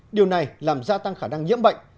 điều này làm gia tăng khả năng nhiễm bệnh